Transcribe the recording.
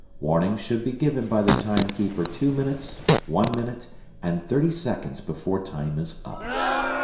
Warning should be given by the timekeeper two minutes, one minute, and thirty seconds before time is up.